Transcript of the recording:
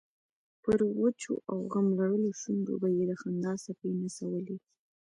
پر وچو او غم لړلو شونډو به یې د خندا څپې نڅولې.